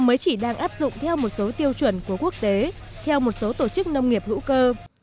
mới chỉ đang áp dụng theo một số tiêu chuẩn của quốc tế theo một số tổ chức nông nghiệp hữu cơ